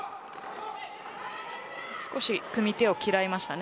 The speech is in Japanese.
少し組み手を嫌いました。